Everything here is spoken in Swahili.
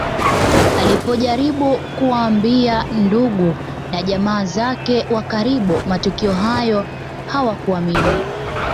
Alipojaribu kuwaambia ndugu na jamaa zake wa karibu matukio hayo hawakuamini